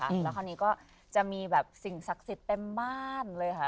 แล้วคราวนี้ก็จะมีแบบสิ่งศักดิ์สิทธิ์เต็มบ้านเลยค่ะ